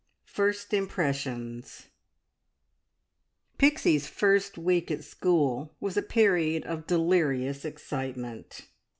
FIRST IMPRESSIONS. Pixie's first week at school was a period of delirious excitement.